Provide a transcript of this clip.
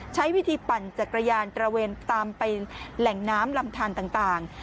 ใช้วิธีปั่นจักรยานตระเวนตามไปแหล่งน้ำลำทานต่าง